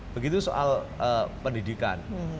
begitu soal pendidikan